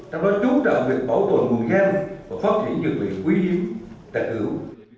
trong đó chú trọng việc bảo tồn nguồn gen và phát triển dược liệu quý hiếm tật ứu